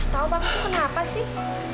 tau banget kenapa sih